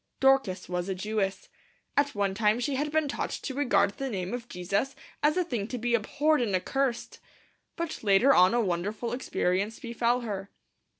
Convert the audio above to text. Dorcas was a Jewess. At one time she had been taught to regard the name of Jesus as a thing to be abhorred and accursed. But later on a wonderful experience befell her.